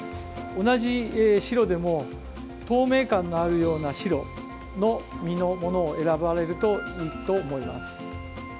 同じ白でも透明感があるような白の身のものを選ばれるといいと思います。